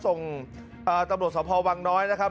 ส่งตำรวจสภวังน้อยนะครับ